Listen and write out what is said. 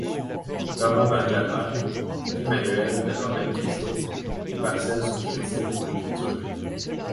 Thomas Bangalter, Guy-Manuel de Homem-Christo et Parcels sont crédités pour l'écriture.